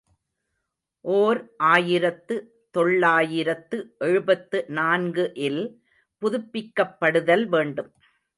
ஓர் ஆயிரத்து தொள்ளாயிரத்து எழுபத்து நான்கு இல் புதுப்பிக்கப்படுதல் வேண்டும்.